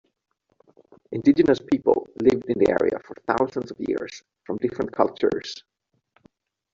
Indigenous peoples lived in the area for thousands of years, from different cultures.